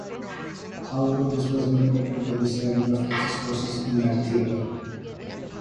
However, this was interrupted by the surrender of Axis forces in that theater.